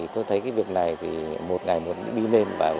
tôi thấy việc này một ngày một đi lên